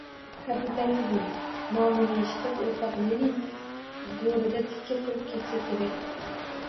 Kapitalizm... nomini eshitib, o‘rtoq Lenin... go‘rida tikka turib ketsa kerak?